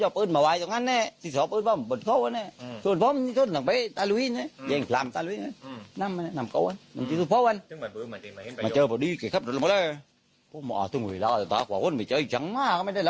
คืออย่างว่าแกคับเราลงมาพอดี